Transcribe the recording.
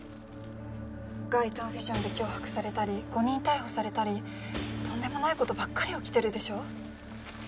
街頭ビジョンで脅迫されたり誤認逮捕されたりとんでもないことばっかり起きてるでしょ？